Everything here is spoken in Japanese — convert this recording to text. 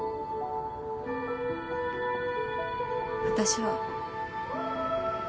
私は。